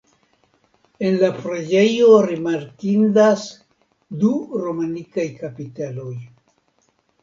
En la preĝejo rimarkindas du romanikaj kapiteloj.